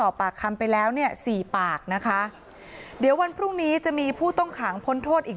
ปากคำไปแล้วเนี่ยสี่ปากนะคะเดี๋ยววันพรุ่งนี้จะมีผู้ต้องขังพ้นโทษอีก